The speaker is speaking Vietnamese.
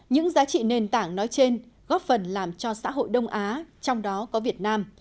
những giá trị nền tảng nói trên góp phần làm cho xã hội đông á trong đó có việt nam